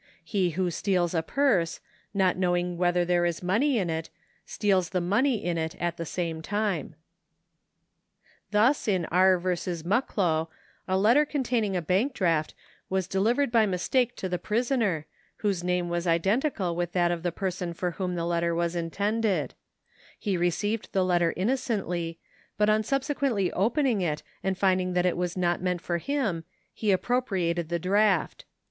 He who steals a purse, not knowing whether there is money in it, steals the money in it at the same time. 1 21 L. J. Q.B. 75. 2 L. & C. 1. a 7 M. & W, 623. « 8 Yes. 405. 7 R. B. 99. § 99] POSSESSION 249 Thus in R. v. Muckloiv ^ a letter containing a bank draft was delivered by mistake to the prisoner, whose name was identical with that of the person for whom the letter was intended. He received the letter inno cently ; but on subsequently opening it and finding that it was not meant for him, he aj^propriatcd the draft.